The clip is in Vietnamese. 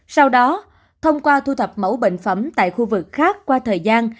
sau đó thông qua thu thập mẫu bệnh phẩm tại khu vực khác qua thời gian